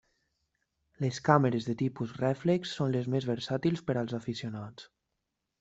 Les càmeres de tipus rèflex són les més versàtils per als aficionats.